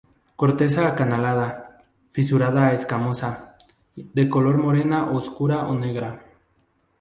Corteza acanalada, fisurada a escamosa, de color morena oscura o negra.